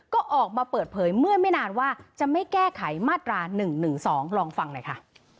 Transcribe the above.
ก็ออกมาเปิดเผยเมื่อไม่นานว่าจะไม่แก้ไขมาตรา๑๑๒ลองฟังหน่อยค่ะ